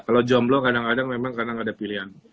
kalau jomblo kadang kadang memang kadang ada pilihan